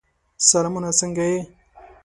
سلامونه! څنګه یې؟